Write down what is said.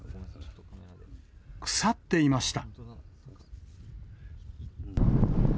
腐っていました。